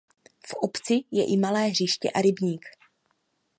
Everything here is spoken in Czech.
V obci je i malé hřiště a rybník.